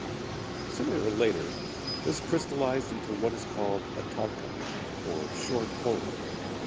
Sooner or later this crystallized into what is called a tanka or short ode.